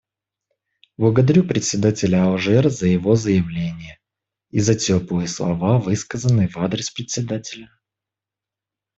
Благодарю представителя Алжира за его заявление и за теплые слова, высказанные в адрес Председателя.